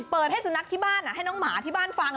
เปิดให้สุนัขที่บ้านให้น้องหมาที่บ้านฟัง